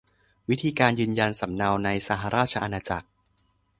วิธีการยืนยันสำเนาในสหราชอาณาจักร